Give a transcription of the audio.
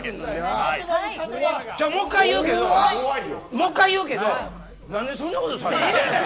もう１回言うけど何でそんなことされなあかんねん。